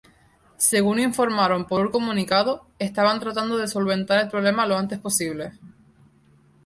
Según informaron por un comunicado, estaban tratando de solventar el problema lo antes posible.